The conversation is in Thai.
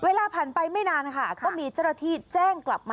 เวลาผ่านไปไม่นานค่ะก็มีเจ้าหน้าที่แจ้งกลับมา